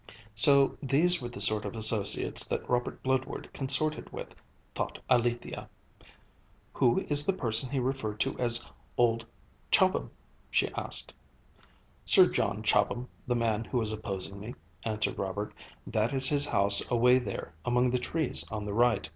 So these were the sort of associates that Robert Bludward consorted with, thought Alethia. "Who is the person he referred to as old Chobham?" she asked. "Sir John Chobham, the man who is opposing me," answered Robert; "that is his house away there among the trees on the right."